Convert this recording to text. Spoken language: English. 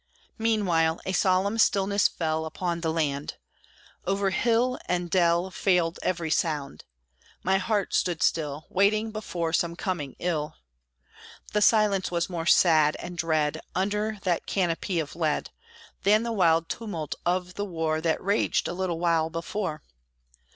Meanwhile a solemn stillness fell Upon the land. O'er hill and dell Failed every sound. My heart stood still, Waiting before some coming ill. The silence was more sad and dread, Under that canopy of lead, Than the wild tumult of the war That raged a little while before.